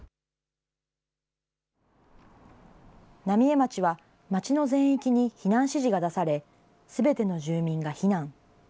浪江町は、町の全域に避難指示が出され、すべての住民が避難。